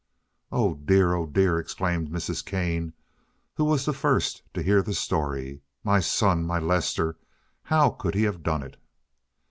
"Oh dear, oh dear!" exclaimed Mrs. Kane, who was the first to hear the story. "My son, my Lester! How could he have done it!"